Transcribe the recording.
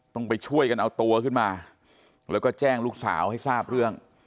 ต้องไปช่วยกันเอาตัวขึ้นมาแล้วก็แจ้งลูกสาวให้ทราบเรื่อง